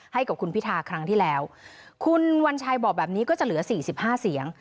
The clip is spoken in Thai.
ให้กับคุณพิทาครั้งที่แล้วคุณวัญชัยบอกแบบนี้ก็จะเหลือสี่สิบห้าเสียง